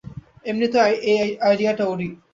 এমনিতেও আইডিয়াটা ওরই।